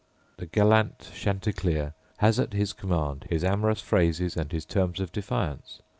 The gallant chanticleer has, at command, his amorous phrases, and his terms of defiance.